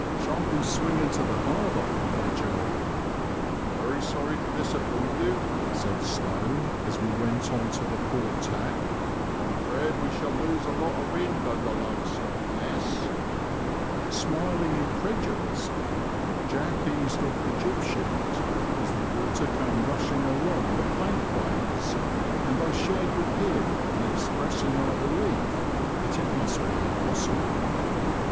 " Shan't we swing into the harbour — ^by jove !" Digitized by VjOOQIC DIGRESSIONAL AND OTHERWISE. 27 " Very sorry to disappoint you/' said Stone, as we went on to the port tack ;" I'm afraid we shall lose a lot of wind under Lowestoft Ness." Smiling incredulously, Jack eased off the jib sheet, as the water came rushing along the plankways, and I shared with him in expressing our belief that it must be impossible.